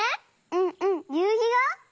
うんうんゆうひが？